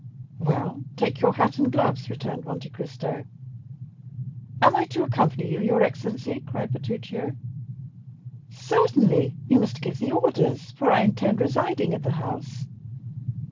"Well, take your hat and gloves," returned Monte Cristo. "Am I to accompany you, your excellency?" cried Bertuccio. "Certainly, you must give the orders, for I intend residing at the house."